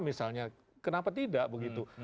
misalnya kenapa tidak begitu